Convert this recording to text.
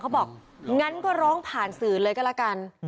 บอกงั้นก็ร้องผ่านสื่อเลยก็แล้วกัน